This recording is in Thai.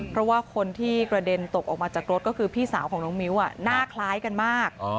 เพราะว่าคนที่กระเด็นตกออกมาจากรถก็คือพี่สาวของน้องมิ้วหน้าคล้ายกันมาก